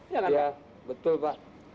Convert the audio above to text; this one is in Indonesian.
ya betul pak